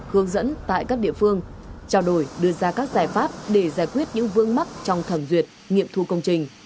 hướng dẫn tại các địa phương trao đổi đưa ra các giải pháp để giải quyết những vương mắc trong thẩm duyệt nghiệm thu công trình